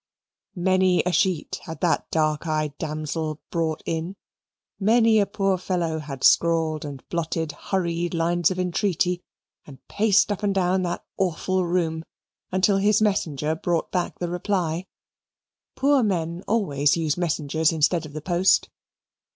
Many a sheet had that dark eyed damsel brought in; many a poor fellow had scrawled and blotted hurried lines of entreaty and paced up and down that awful room until his messenger brought back the reply. Poor men always use messengers instead of the post.